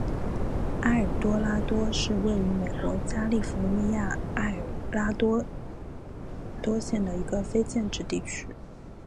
埃尔多拉多是位于美国加利福尼亚州埃尔多拉多县的一个非建制地区。